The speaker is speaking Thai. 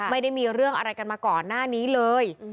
ไม่ได้มีเรื่องอะไรกันมาก่อนหน้านี้เลย